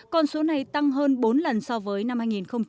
con số này tăng hơn bốn lần so với năm hai nghìn một mươi